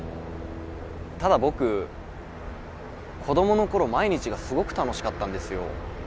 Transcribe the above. ただ僕子供のころ毎日がすごく楽しかったんですよ。